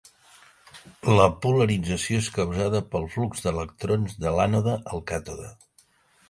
La polarització és causada pel flux d'electrons de l'ànode al càtode.